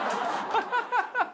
ハハハハ！